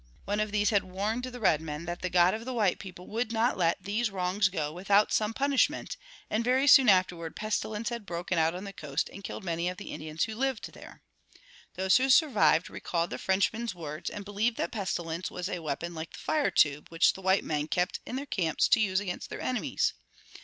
One of these had warned the redmen that the God of the white people would not let these wrongs go without some punishment, and very soon afterward pestilence had broken out on the coast and killed many of the Indians who lived there. Those who survived recalled the Frenchman's words and believed that pestilence was a weapon like the "fire tube" which the white men kept in their camps to use against their enemies.